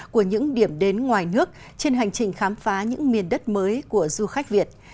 của những điểm đến ngoài nước trên hành trình khám phá những miền đất mới của du khách việt